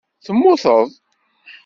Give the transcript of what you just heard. Temmuteḍ.